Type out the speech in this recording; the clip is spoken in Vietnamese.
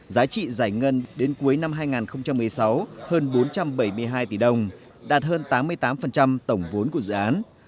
giá trị giải ngân đến cuối năm hai nghìn một mươi sáu hơn bốn trăm bảy mươi hai tỷ đồng đạt hơn tám mươi tám tổng vốn của dự án